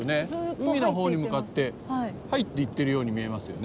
海の方に向かって入っていってるように見えますよね。